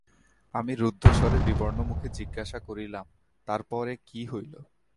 আমি রুদ্ধস্বরে বিবর্ণমুখে জিজ্ঞাসা করিলাম, তার পরে কী হইল।